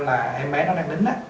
là em bé nó đang nín á